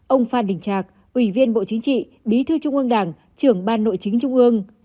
ông phan đình trạc ủy viên bộ chính trị bí thư trung ương đảng trưởng ban nội chính trung ương